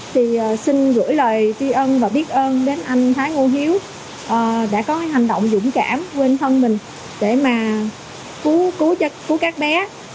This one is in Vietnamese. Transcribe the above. thì xin gửi lời tuy ơn và biết ơn đến anh thái ngô hiếu đã có hành động dũng cảm quên thân mình để mà cứu các bé